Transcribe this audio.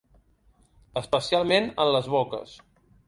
Especialment en les boques.